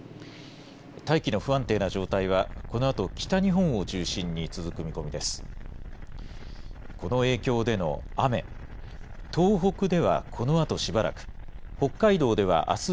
大気の不安定な状態は、このあと北日本を中心に続く見込みです。